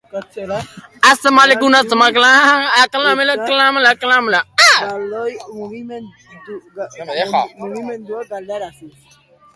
Ekialde Ertainean petrolioa duten bitartean ez da bakerik izango.